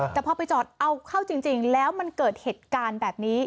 แต่พอไปจอดเอาเข้าจริงแล้วมันเกิดเหตุการณ์แบบนี้